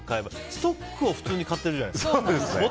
ストックを普通に買ってるじゃないですか。